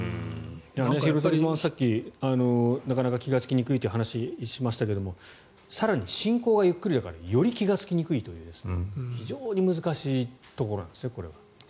廣津留さん、さっきなかなか気がつきにくいって話をしましたが更に進行がゆっくりだからより気がつきにくいという非常に難しいところなんですね。